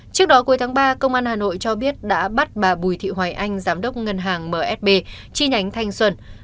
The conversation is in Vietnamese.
trước đó cuối tháng ba công an hà nội cho biết đã bắt bà bùi thị hoài anh giám đốc ngân hàng msb chi nhánh thanh xuân